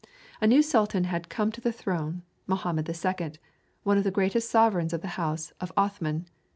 A new sultan had come to the throne, Mohammed II., one of the greatest sovereigns of the house of Othman.